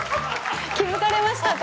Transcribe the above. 気付かれましたか？